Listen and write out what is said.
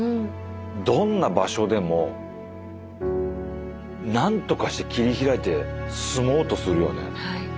どんな場所でもなんとかして切りひらいて住もうとするよね。